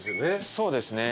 そうですね。